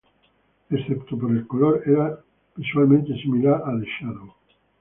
Excepto por el color, era visualmente similar a The Shadow.